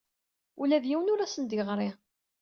Ula d yiwen ur asent-d-yeɣri.